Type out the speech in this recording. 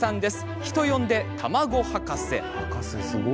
人呼んで、卵博士。